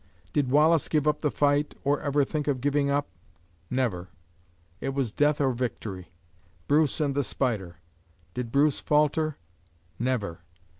Did Wallace give up the fight, or ever think of giving up? Never! It was death or victory. Bruce and the spider! Did Bruce falter? Never!